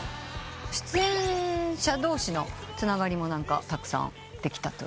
出演者同士のつながりもたくさんできたと？